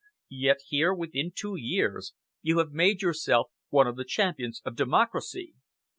Yet here, within two years, you have made yourself one of the champions of democracy.